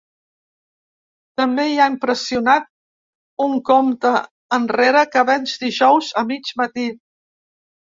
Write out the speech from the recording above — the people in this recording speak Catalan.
També hi ha impressionat un compte enrere que venç dijous a mig matí.